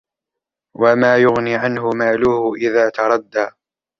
وَمَا يُغْنِي عَنْهُ مَالُهُ إِذَا تَرَدَّى